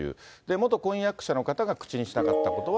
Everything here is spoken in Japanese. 元婚約者の方が口にしたかったことは。